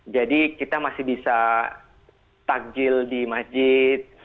jadi kita masih bisa takjil di masjid